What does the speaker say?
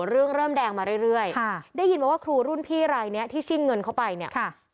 เรื่องเริ่มแดงมาเรื่อยเรื่อยค่ะได้ยินไหมว่าครูรุ่นพี่รายนี้ที่ชิงเงินเขาไปเนี่ยค่ะ